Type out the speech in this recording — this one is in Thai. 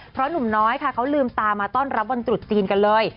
เพราะหนุ่มน้อยค่ะเขาลืมตามาต้อนรับวันตรุษจีนกันเลย